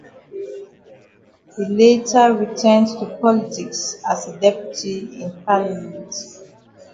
He later returned to politics as a deputy in parliament.